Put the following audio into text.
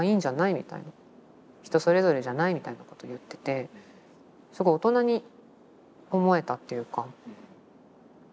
「人それぞれじゃない？」みたいなこと言っててすごい大人に思えたっていうか。